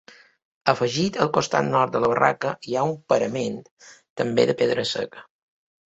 Afegit al costat nord de la barraca hi ha un paravent, també de pedra seca.